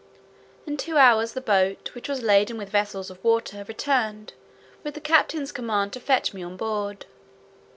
In two hours the boat, which went laden with vessels of water, returned, with the captain's command to fetch me on board.